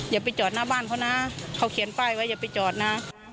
อย่าไปจอดหน้าบ้านเขานะเขาเขียนป้ายไว้อย่าไปจอดนะ